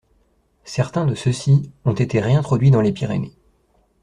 Certains de ceux-ci ont été réintroduits dans les Pyrénées.